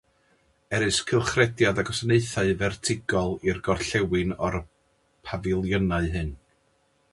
Erys cylchrediad a gwasanaethau fertigol i'r gorllewin o'r pafiliynau hyn.